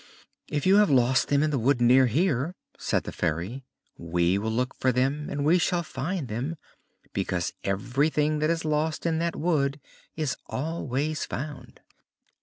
"If you have lost them in the wood near here," said the Fairy, "we will look for them and we shall find them: because everything that is lost in that wood is always found."